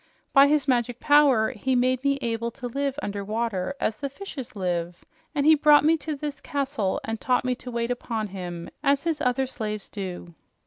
By his magic power he made me able to live under water as the fishes live, and he brought me to this castle and taught me to wait upon him as his other slaves do."